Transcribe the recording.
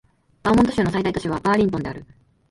バーモント州の最大都市はバーリントンである